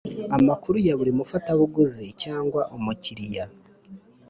amakuru ya buri mufatabuguzi cyangwa umukiriya